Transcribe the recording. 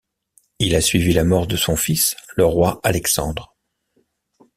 Il a suivi la mort de son fils, le roi Alexandre.